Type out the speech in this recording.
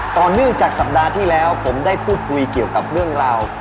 ต่อเนื่องจากสัปดาห์ที่แล้วผมได้พูดคุยเกี่ยวกับเรื่องราว